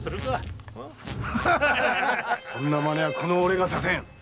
そんな真似はこの俺がさせん。